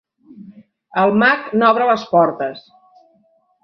El mag n'obre les portes.